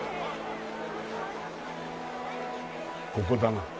ここだな。